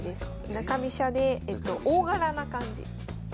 中飛車で大柄な感じ。